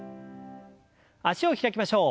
脚を開きましょう。